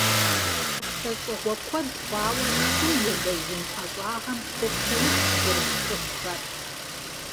ЛӀэщӀыгъуэ куэд хъуауэ цым елэжьын ӀэщӀагъэм хопсэукӀ бгырыс цӀыхухэр.